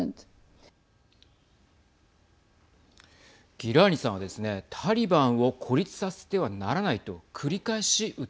ギラーニさんはですねタリバンを孤立させてはならないとはい。